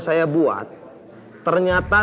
saya mau tanya ke pak tadew